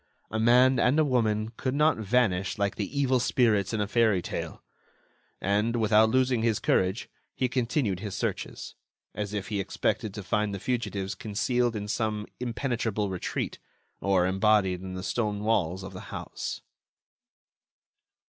A man and a woman could not vanish like the evil spirits in a fairy tale. And, without losing his courage, he continued his searches, as if he expected to find the fugitives concealed in some impenetrable retreat, or embodied in the stone walls of the house.